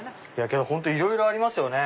本当いろいろありますよね。